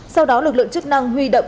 sau đó lực lượng chức năng huy động